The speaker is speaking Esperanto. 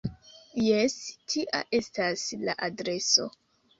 Jes, tia estas la adreso.